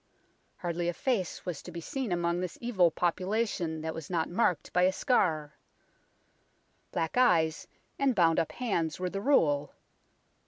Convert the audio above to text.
Hardly a face was to be seen among this evil population that was not marked by a scar ; black eyes and bound up hands were the rule.